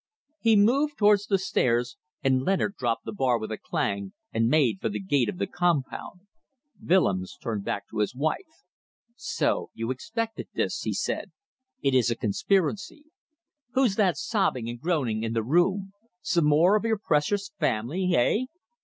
He moved towards the stairs, and Leonard dropped the bar with a clang and made for the gate of the compound. Willems turned back to his wife. "So you expected this," he said. "It is a conspiracy. Who's that sobbing and groaning in the room? Some more of your precious family. Hey?"